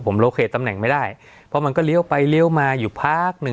โลเคตตำแหน่งไม่ได้เพราะมันก็เลี้ยวไปเลี้ยวมาอยู่พักหนึ่ง